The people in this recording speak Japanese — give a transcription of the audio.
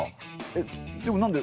えっでもなんで？